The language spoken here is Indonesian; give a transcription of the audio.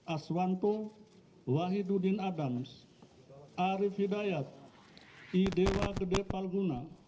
aswanto wahidudin adams arief hidayat idewa gede palguna